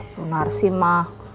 bener sih mah